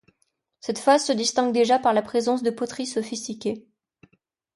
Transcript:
Cette phase se distingue déjà par la présence de poteries sophistiquées.